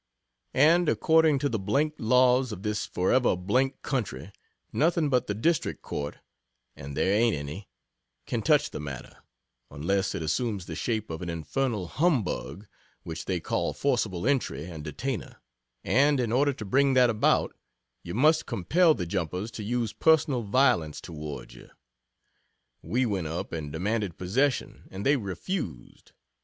And according to the d d laws of this forever d d country, nothing but the District Court (and there ain't any) can touch the matter, unless it assumes the shape of an infernal humbug which they call "forcible entry and detainer," and in order to bring that about, you must compel the jumpers to use personal violence toward you! We went up and demanded possession, and they refused.